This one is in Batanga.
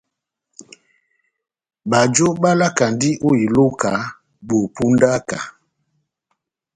Bajo bálakandi ó iloka bó pundaka.